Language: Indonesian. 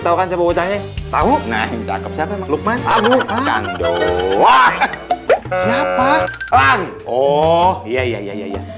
tahu kan siapa bocahnya tahu nah siapa emang luqman abu kandung siapa oh iya iya iya iya